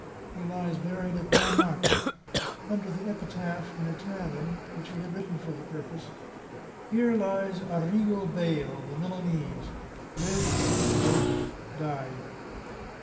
He lies buried at Montmartre, under the epitaph, in Italian, which he had written for the purpose: "Here lies Arrigo Beyle, the Milanese. Lived, Wrote, Died."